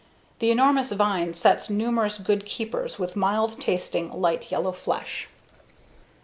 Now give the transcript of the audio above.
The enormous vine sets numerous good keepers with mild tasting, light yellow flesh.